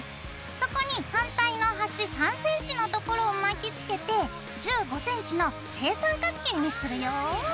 そこに反対の端３センチのところを巻きつけて１５センチの正三角形にするよ。